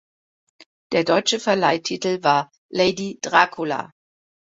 Der deutsche Verleihtitel war "Lady Dracula".